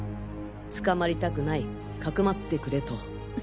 捕まりたくない匿ってくれと。